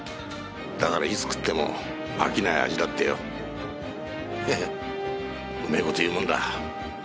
だからいつ食っても飽きない味だってよ。へへっうめえ事言うもんだ。